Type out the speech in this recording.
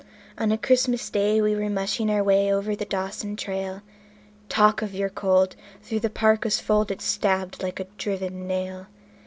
On a Christmas Day we were mushing our way over the Dawson trail. Talk of your cold! through the parka's fold it stabbed like a driven nail.